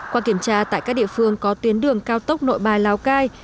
qua kiểm tra tại các địa phương có tuyến đường cao tốc nội bài lào cai